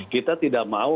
kita tidak mau